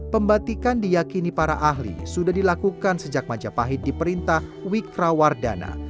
pembatikan diyakini para ahli sudah dilakukan sejak majapahit di perintah wikrawarga